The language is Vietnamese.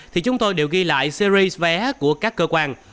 thì chúng tôi đều ghi lại series vé của các cơ quan